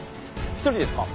１人ですか？